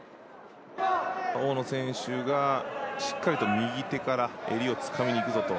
大野選手がしっかりと右手から襟をつかみにいくぞと。